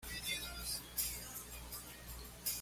Permanece activo durante el invierno.